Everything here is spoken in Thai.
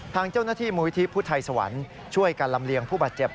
ทางเจ้าหน้าที่มูลที่พุทธไทยสวรรค์ช่วยกันลำเลียงผู้บาดเจ็บ